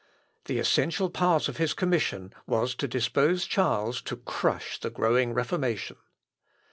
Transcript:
The essential part of his commission was to dispose Charles to crush the growing Reformation.